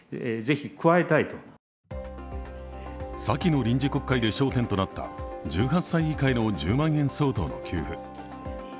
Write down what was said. さきの臨時国会で焦点となった１８歳以下への１０万円相当の給付。